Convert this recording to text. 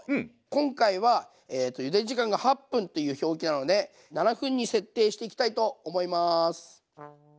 今回はゆで時間が８分という表記なので７分に設定していきたいと思います。